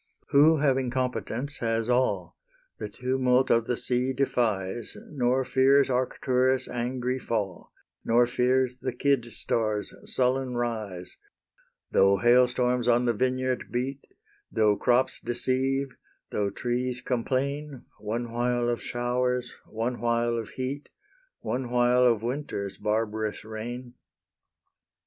Who, having competence, has all, The tumult of the sea defies, Nor fears Arcturus' angry fall, Nor fears the Kid star's sullen rise, Though hail storms on the vineyard beat, Though crops deceive, though trees complain, One while of showers, one while of heat, One while of winter's barbarous reign.